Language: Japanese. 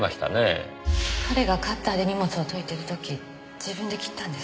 彼がカッターで荷物を解いている時自分で切ったんです。